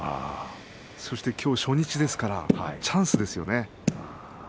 それに今日は初日ですからチャンスですよね。